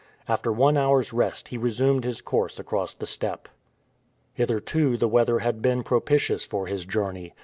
After one hour's rest he resumed his course across the steppe. Hitherto the weather had been propitious for his journey.